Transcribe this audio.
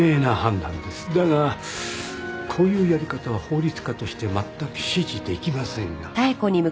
だがこういうやり方は法律家としてまったく支持できませんが。